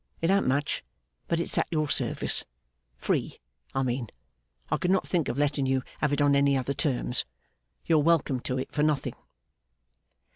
It an't much, but it's at your service. Free, I mean. I could not think of letting you have it on any other terms. You're welcome to it for nothing.